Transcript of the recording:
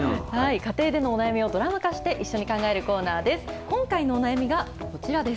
家庭でのお悩みをドラマ化して、一緒に考えるコーナーです。